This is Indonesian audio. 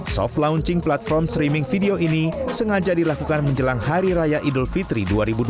soft launching platform streaming video ini sengaja dilakukan menjelang hari raya idul fitri dua ribu dua puluh